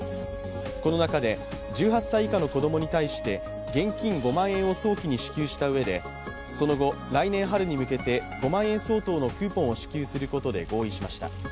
この中で１８歳以下の子供に対して現金５万円を早期に支給したうえでその後、来年春に向けて５万円相当のクーポンを支給することで合意しました。